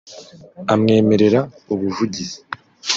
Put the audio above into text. amwemerera ubuvugizi